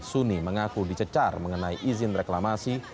suni mengaku dicecar mengenai izin reklamasi